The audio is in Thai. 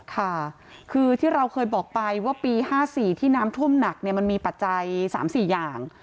ค่ะคือที่เราเคยบอกไปว่าปี๕๔ที่น้ำท่วมหนักเนี่ยมันมีปัจจัย๓๔อย่าง